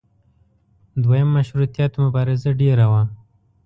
دویم مشروطیت مبارزه ډېره وه.